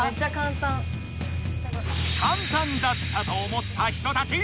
「簡単だった」と思った人たち！